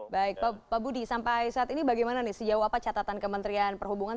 baik pak budi sampai saat ini bagaimana nih sejauh apa catatan kementerian perhubungan